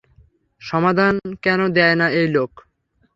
সমাধান কেন দেয় না এই লোক।